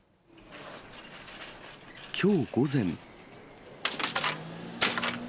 きょう午前。